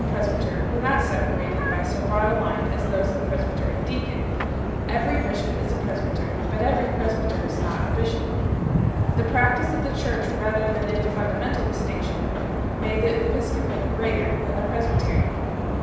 presbyter were not separated by so broad a line as those of presbyter and deacon; "_eyery bishop is a presbyter, but, every presbyter is not a bishop 1 "; the practice of the Church, rather than any fundamental distinction, made the episcopate greater than the presbytery 2